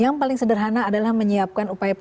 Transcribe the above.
yang paling sederhana adalah menyiapkan upaya